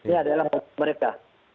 ini adalah mereka